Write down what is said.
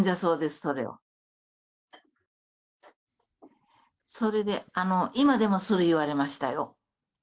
それで、今でもする言われましたよ。